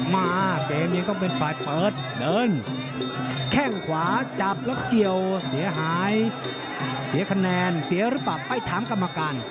มาเกมยังต้องเป็นฝ่ายเปิดเดินแข้งขวาจับแล้วเกี่ยวเสียหายเสียคะแนนเสียหรือเปล่าไปถามกรรมการ